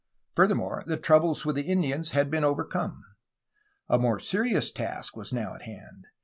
Furthermore, the troubles with the Indians had been overcome. A more serious task was now at hand.